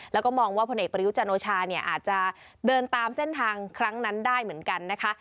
แล้วก็มองว่าพลเอกประยุจันโอชาเนี่ยอาจจะเดินตามเส้นทางครั้งนั้นได้เหมือนกันนะคะ